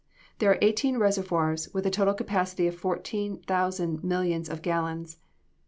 There are eighteen reservoirs, with a total capacity of fourteen thousand millions of gallons.